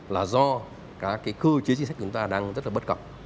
là do cái cơ chế chính sách chúng ta đang rất là bất cập